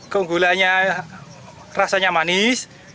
keunggulannya rasanya manis